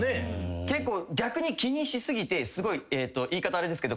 逆に気にしすぎてすごい言い方あれですけど。